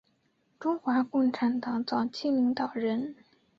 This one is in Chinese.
中国共产党早期领导人。